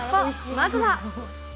まずは。